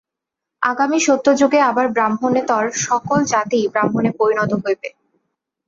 আগামী সত্যযুগে আবার ব্রাহ্মণেতর সকল জাতিই ব্রাহ্মণে পরিণত হইবেন।